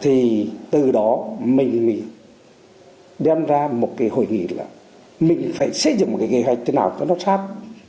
thì từ đó mình mới đem ra một cái hội nghị là mình phải xây dựng một cái kế hoạch thế nào cho nó sát